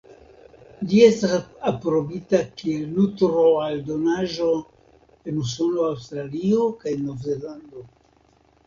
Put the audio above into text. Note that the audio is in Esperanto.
Ĝi estas aprobita kiel nutro-aldonaĵo en Usono, Aŭstralio kaj Nov-Zelando.